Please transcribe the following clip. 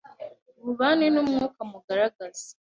bubane n umwuka mugaragaza